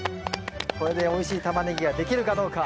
これでおいしいタマネギができるかどうか。